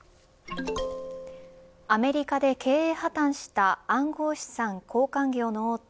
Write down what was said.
アメリカで経営破綻した暗号資産交換業の大手